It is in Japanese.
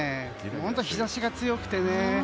本当に日差しが強くてね。